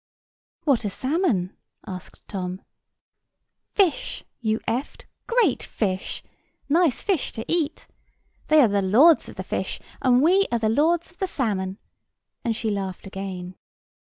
"What are salmon?" asked Tom. "Fish, you eft, great fish, nice fish to eat. They are the lords of the fish, and we are lords of the salmon;" and she laughed again.